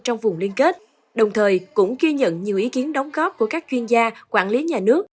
trong vùng liên kết đồng thời cũng ghi nhận nhiều ý kiến đóng góp của các chuyên gia quản lý nhà nước